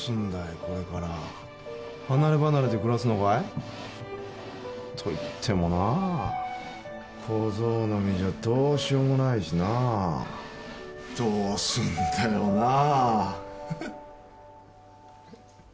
これから離ればなれで暮らすのかい？といってもなあ小僧の身じゃどうしようもないしなあどうすんだよなあ？